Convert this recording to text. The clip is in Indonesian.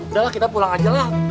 udah lah kita pulang aja lah